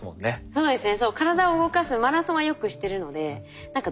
そうですね。